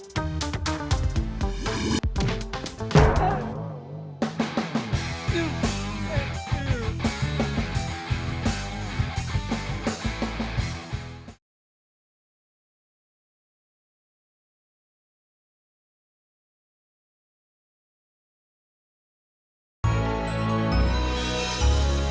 sampai jumpa lagi